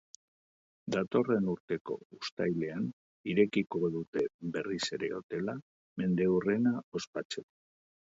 Datorren urteko uzatilean irekiko dute berriz ere hotela, mendeurrena ospatzeko.